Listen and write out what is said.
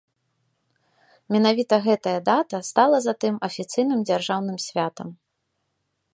Менавіта гэтая дата стала затым афіцыйным дзяржаўным святам.